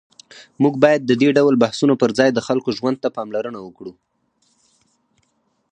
موږ باید د دې ډول بحثونو پر ځای د خلکو ژوند ته پاملرنه وکړو.